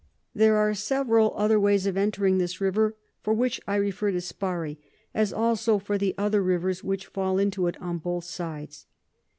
There are several other ways of entring this River, for which I refer to Sparrey; as also for the other Rivers which fall into it on both sides.